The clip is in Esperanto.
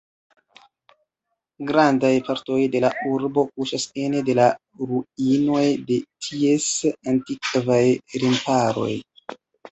Grandaj partoj de la urbo kuŝas ene de la ruinoj de ties antikvaj remparoj.